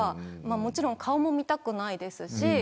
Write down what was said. もちろん顔も見たくないですし。